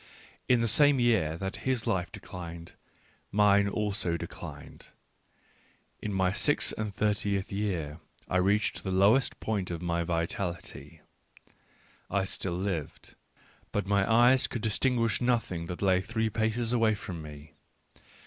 In the same year that his life declined mine also declined: in my six and thirtieth year I reached the lowest point in my vitality, — I still lived, but Digitized by Google IO ECCE HOMO my eyes could distinguish nothing that lay three paces away from me.